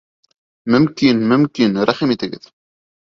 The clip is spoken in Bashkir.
— Мөмҡин, мөмкин, рәхим итегеҙ!..